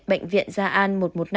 bệnh viện gia an một trăm một mươi năm